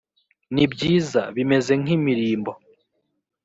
ni byiza bimeze nk imirimbo